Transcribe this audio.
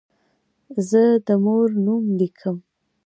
زه د مور نوم لیکم.